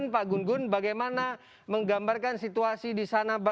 pak gun gun bagaimana menggambarkan situasi di sana